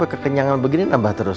aku kekenyangan begini nambah terus